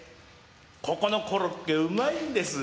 ここのコロッケうまいんです。